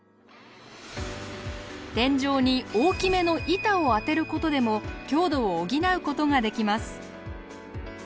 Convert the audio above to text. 天井に大きめの板をあてることでも強度を補うことができます。